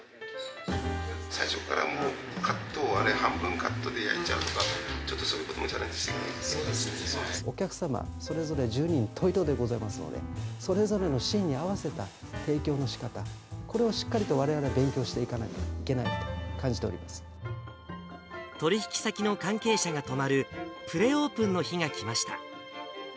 最初からもうカット、あれ、半分カットで焼いちゃうとか、ちょっとそういうこともチャレンお客様、それぞれ十人十色でございますので、それぞれのシーンに合わせた提供のしかた、これをしっかりとわれわれ勉強していかなきゃいけないと感じてお取り引き先の関係者が泊まる、プレオープンの日が来ました。